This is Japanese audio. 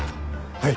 はい。